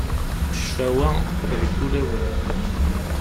Ccfawa, deg ulawen.